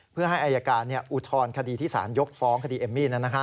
เพื่อให้อายการอุทธรณคดีที่สารยกฟ้องคดีเอมมี่